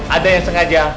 ada yang sengaja